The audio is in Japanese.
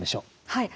はい。